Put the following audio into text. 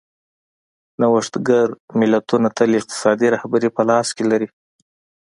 نوښتګر ملتونه تل اقتصادي رهبري په لاس کې لري.